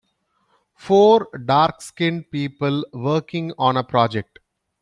Four darkskinned people working on a project